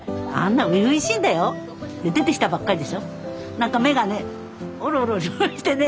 何か目がねオロオロしてね。